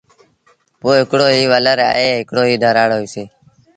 پوء هڪڙو ئيٚ ولر ائيٚݩٚ هڪڙو ئيٚ ڌرآڙ هوئيٚسي۔